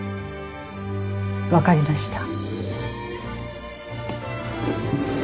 分かりました。